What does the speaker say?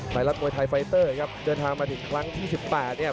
ไตรรัสมวยไทยไฟเตอร์ครับเจอทางมาถึงครั้งที่๑๘เนี่ย